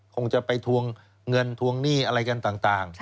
คงจะไปทวงเงินทวงหนี้อะไรกันต่าง